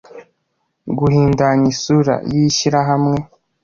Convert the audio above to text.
guhindanya isura y ishyirahamwe